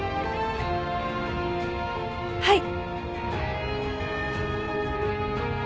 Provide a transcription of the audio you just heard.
はい。